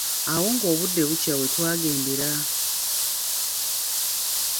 Awo nga obudde bukya wetwagendera.